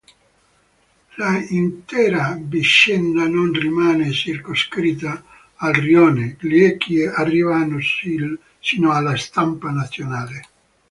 L'intera vicenda non rimane circoscritta al rione; gli echi arrivano sino alla stampa nazionale.